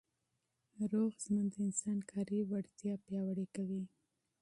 روغ ژوند د انسان کاري وړتیا پیاوړې کوي.